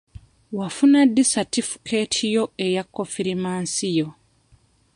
Wafuna ddi satifukeeti yo eya konfirimansiyo?